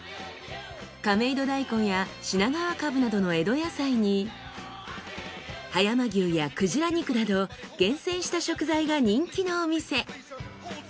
亀戸大根や品川カブなどの江戸野菜に葉山牛や鯨肉など厳選した食材が人気のお店。